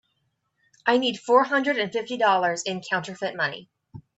I need four hundred and fifty dollars in counterfeit money.